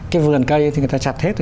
cái vườn cây thì người ta chặt hết rồi